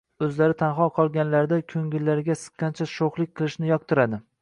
oʼzlari tanho qolganlarida koʼngillariga siqqanicha shoʼxlik qilishni yoqtiradi.